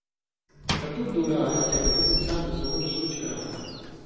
ݜَتُک دورہ ہاریۡ چے کَتُک انسان تصور/سُوچ کراہاں،